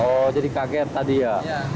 oh jadi kaget tadi ya